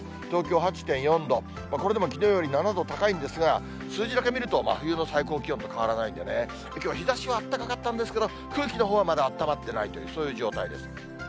東京都心８．４度、これでもきのうより７度高いんですが、数字だけ見ると真冬の最高気温と変わらないんでね、きょう、日ざしは暖かかったんですけど、まだあったまってないという、そういう状態です。